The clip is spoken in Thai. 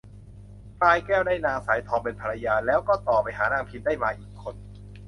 พลายแก้วได้นางสายทองเป็นภรรยา แล้วก็ต่อไปหานางพิม ได้มาอีกคน